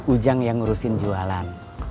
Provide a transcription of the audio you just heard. ujang yang ngurusin jualan